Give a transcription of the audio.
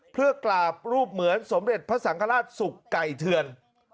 เพื่อกราบรูปเหมือนสมเด็จพระสังฆราชสุขไก่เทือน